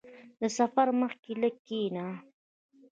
• د سفر مخکې لږ کښېنه.